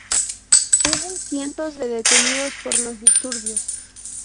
Hubo cientos de detenidos por los disturbios.